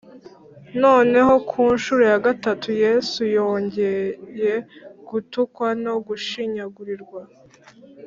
noneho ku ncuro ya gatatu yesu yongeye gutukwa no gushinyagurirwa,